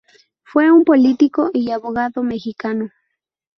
Fue un político y abogado mexicano.